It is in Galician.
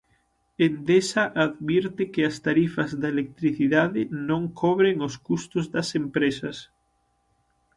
Endesa advirte que as tarifas da electricidade non cobren os custos das empresas